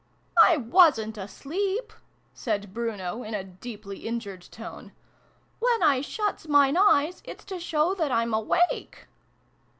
" I ivasnt asleep !" said Bruno, in a deeply injured tone. " When I shuts mine eyes, it's to show that I'm awake!"